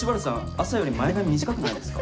朝より前髪、短くないですか？